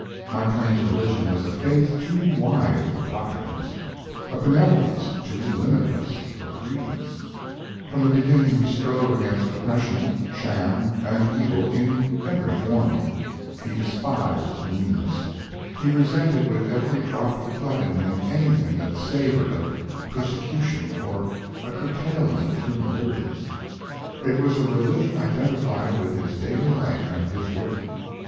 Mark Twain's religion was a faith too wide for doctrines a benevolence too limitless for creeds. From the beginning he strove against oppression, sham, and evil in every form. He despised meanness; he resented with every drop of blood in him anything that savored of persecution or a curtailment of human liberties. It was a religion identified with his daily life and his work.